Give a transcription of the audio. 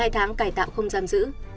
một mươi hai tháng cải tạo không giam giữ